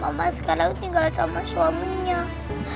mama sekarang tinggal sama suaminya